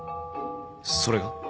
それが？